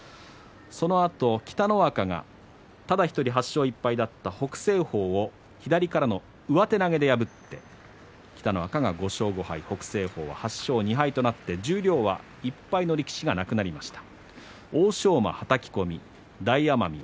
そのあと、北の若がただ１人８勝１敗だった北青鵬を左からの上手投げで破って北の若が５勝５敗北青鵬は８勝２敗となって十両は１敗の力士がなくなりました。